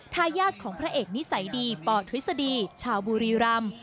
ทายาทของพระเอกนิสัยดีปธฤษฎีชาวบุรีรำ